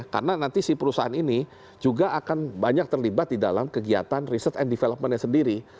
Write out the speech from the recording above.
karena nanti si perusahaan ini juga akan banyak terlibat di dalam kegiatan riset and developmentnya sendiri